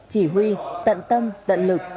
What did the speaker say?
chỉ huy tận tâm tận lực